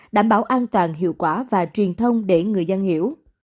đảm bảo an toàn hiệu quả và truyền thông để người dân hiểu